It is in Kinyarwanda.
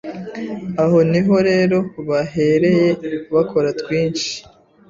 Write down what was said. Aho niho rero bahereye bakora twinshi,